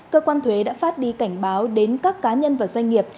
cơ quan thuế đã phát đi cảnh báo đến các cá nhân và doanh nghiệp